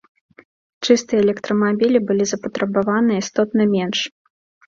Чыстыя электрамабілі былі запатрабаваныя істотна менш.